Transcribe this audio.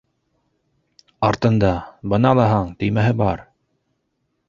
Артында... бына лаһаң төймәһе бар!